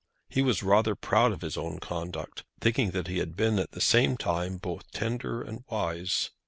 He was rather proud of his own conduct, thinking that he had been at the same time both tender and wise.